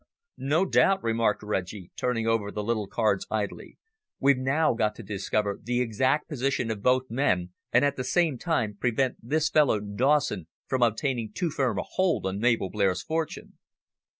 "No doubt," remarked Reggie, turning over the little cards idly. "We've now got to discover the exact position of both men, and at the same time prevent this fellow Dawson from obtaining too firm a hold on Mabel Blair's fortune."